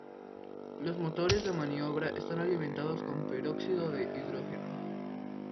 Los motores de maniobra están alimentados con peróxido de hidrógeno.